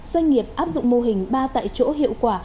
doanh nghiệp áp dụng mô hình ba tại chỗ hiệu quả